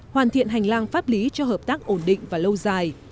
hoàn thiện hành lang pháp lý cho hợp tác ổn định và lâu dài